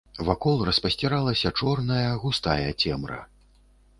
Вакол распасціралася чорная, густая цемра.